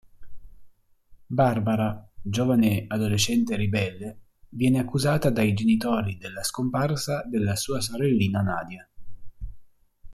Barbara, giovane adolescente ribelle, viene accusata dai genitori della scomparsa della sua sorellina Nadia.